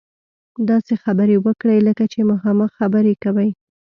داسې خبرې وکړئ لکه چې مخامخ خبرې کوئ.